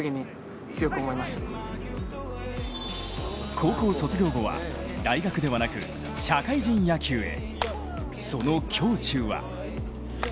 高校卒業後は大学ではなく社会人野球へ。